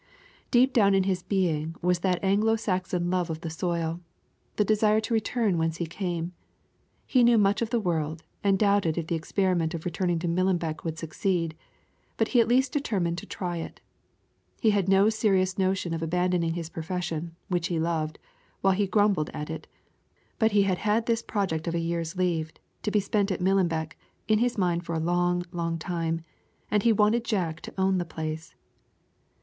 Deep down in his being was that Anglo Saxon love of the soil the desire to return whence he came. He knew much of the world, and doubted if the experiment of returning to Millenbeck would succeed, but he at least determined to try it. He had no very serious notion of abandoning his profession, which he loved, while he grumbled at it, but he had had this project of a year's leave, to be spent at Millenbeck, in his mind for a long, long time, and he wanted Jack to own the place.